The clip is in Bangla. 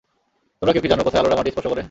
তোমরা কেউ কী জানো কোথায় আলোরা মাটি স্পর্শ করে?